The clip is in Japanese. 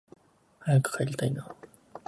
早く帰りたいなあ